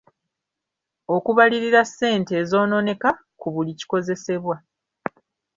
Okubalirira ssente ezonooneka ku buli kikozesebwa.